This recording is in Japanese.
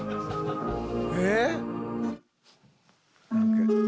えっ？